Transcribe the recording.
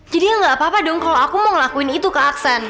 jadi gak apa apa dong kalau aku mau ngelakuin itu kak aksan